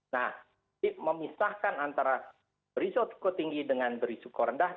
nah memisahkan antara berisiko risiko tinggi dengan berisiko rendah